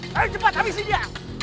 hei cepat habisi dia